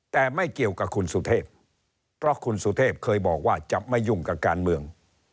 แต่ไม่เกี่ยวกับคุณสุเทพเพราะคุณสุเทพเคยบอกว่าจะไม่ยุ่งกับการเมือง